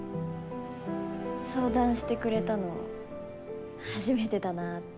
相談してくれたの初めてだなあって。